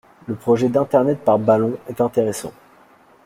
Le projet d'internet par ballons est intéressant.